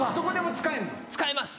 使えます。